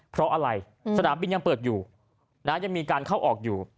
เพราะอะไรสนามบินยังเปิดอยู่ยังมีการเข้าออกอยู่